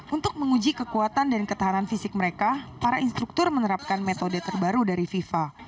untuk menguji kekuatan dan ketahanan fisik mereka para instruktur menerapkan metode terbaru dari fifa